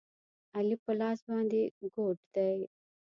علي په لاس باندې ګوډ دی.